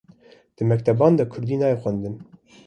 Di mekteban de Kurdî nayê xwendin